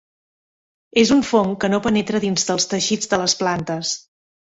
És un fong que no penetra dins dels teixits de les plantes.